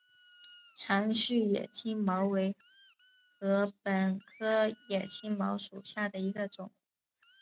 长序野青茅为禾本科野青茅属下的一个种。